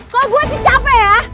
kalo gue sih capek ya